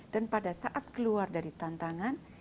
dan pada saat keluar dari tantangan